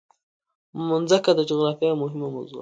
مځکه د جغرافیې یوه مهمه موضوع ده.